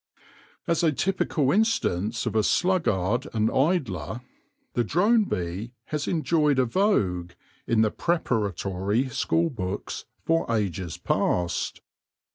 As a typical instance of a sluggard and idler, the drone bee has enjoyed a vogue in the preparatory school books for ages past.